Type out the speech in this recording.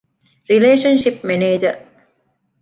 ރިލޭޝަންޝިޕް މެނޭޖަރ